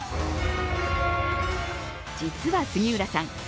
実は杉浦さん